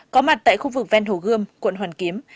có mặt tại khu vực ven hồ gươm quận hoàn kiếm